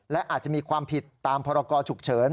และอาจจะมีความผิดตามพรกรฉุกเฉิน